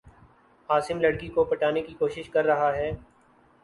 عاصم لڑ کی کو پٹانے کی کو شش کر رہا ہے